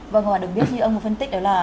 vâng và đừng biết như ông có phân tích đó là